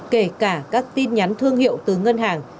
kể cả các tin nhắn thương hiệu từ ngân hàng